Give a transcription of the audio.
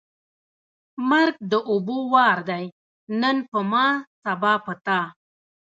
مرګ د اوبو وار دی نن په ما ، سبا په تا.